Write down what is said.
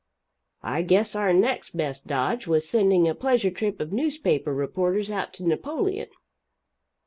I guess our next best dodge was sending a pleasure trip of newspaper reporters out to Napoleon.